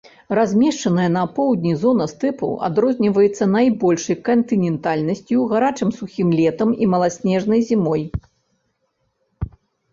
Размешчаная на поўдні зона стэпу адрозніваецца найбольшай кантынентальнасцю, гарачым сухім летам і маласнежнай зімой.